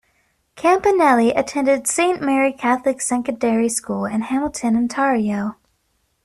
Campanelli attended Saint Mary Catholic Secondary School in Hamilton, Ontario.